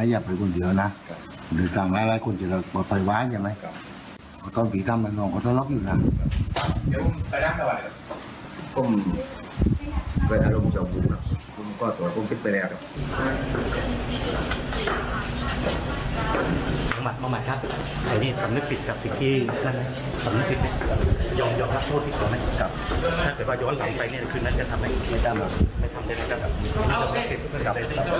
ยอมยอมรับโทษที่เขาให้กลับ